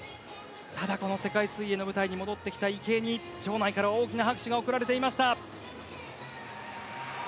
ただ、この世界水泳の舞台に戻ってきた池江に場内から大きな拍手が送られていました。